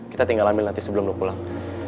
kita tinggal ambil nanti sebelum lo pulang